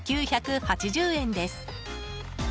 ９８０円です。